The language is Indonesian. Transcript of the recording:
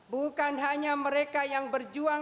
bukan hanya mereka yang berjuang